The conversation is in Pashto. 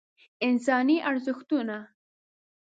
انساني ارزښتونه